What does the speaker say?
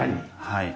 はい。